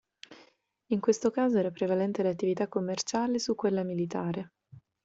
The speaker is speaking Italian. In questo caso era prevalente l'attività commerciale su quella militare.